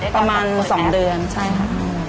ประมาณ๒เดือนใช่ค่ะ